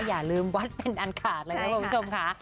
อย่าลืมวัดเป็นอันขาดเลยนะคุณผู้ชมค่ะ